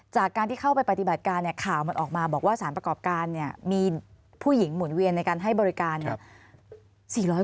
จากการที่เข้าไปปฏิบัติการข่าวมันออกมาบอกว่าสารประกอบการมีผู้หญิงหมุนเวียนในการให้บริการ